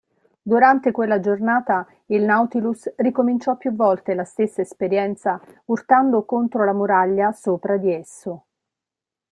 Durante quella giornata, il Nautilus ricominciò più volte la stessa esperienza urtando contro la muraglia sopra di esso.